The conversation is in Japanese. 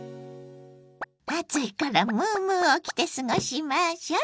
暑いからムームーを着て過ごしましょ！